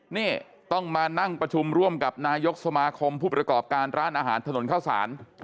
นี่ต้องมานั่งประชุมร่วมกับนายกสมาคมผู้ประกอบการร้านอาหารถนนเข้าสาร